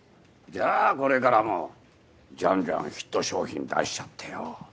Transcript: じゃあこれからもじゃんじゃんヒット商品出しちゃってよ。